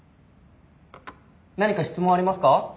何か質問ありますか？